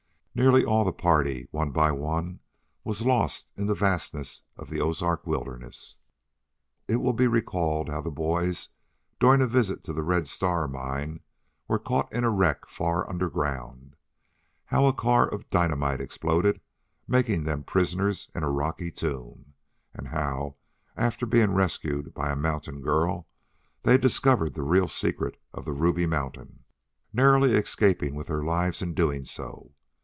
Nearly all the party, one by one, was lost in the fastnesses of the Ozark wilderness. It will be recalled how the boys, during a visit to the Red Star Mine, were caught in a wreck far underground; how a car of dynamite exploded, making them prisoners in a rocky tomb, and how, after being rescued by a mountain girl, they discovered the real secret of the Ruby Mountain, narrowly escaping with their lives in doing so.